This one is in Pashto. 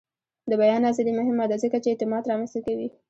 د بیان ازادي مهمه ده ځکه چې اعتماد رامنځته کوي.